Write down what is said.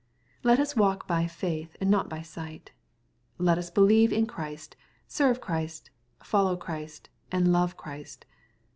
Let us walk by faith, and not by sight. Let us believe in Christ, serve Christ, follow Christ, and love Christ.